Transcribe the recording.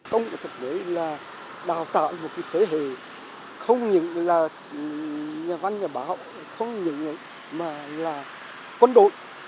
công cuộc thép mới là đào tạo một thế hệ không những là nhà văn nhà báo không những là quân đội